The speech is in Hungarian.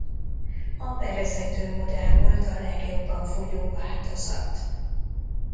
A bevezető modell volt a legjobban fogyó változat.